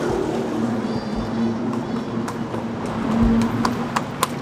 Wee maywek chepyosok chebo kasari kosiir murenik